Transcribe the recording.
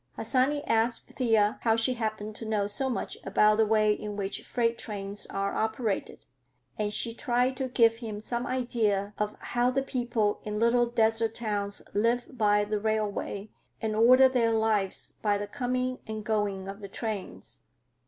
Harsanyi asked Thea how she happened to know so much about the way in which freight trains are operated, and she tried to give him some idea of how the people in little desert towns live by the railway and order their lives by the coming and going of the trains.